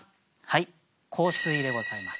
はい「香水」でございます。